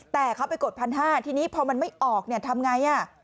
แต่เขาไปกด๑๕๐๐บาททีนี้พอมันไม่ออกเนี่ยทำไง